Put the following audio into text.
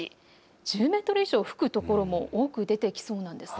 １０メートル以上吹く所も多く出てきそうなんです。